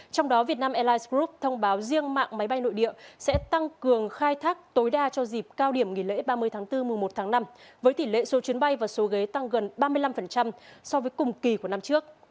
trong đó vietnam airlines group thông báo riêng mạng máy bay nội địa sẽ tăng cường khai thác tối đa cho dịp cao điểm nghỉ lễ ba mươi tháng bốn mùa một tháng năm với tỷ lệ số chuyến bay và số ghế tăng gần ba mươi năm so với cùng kỳ của năm trước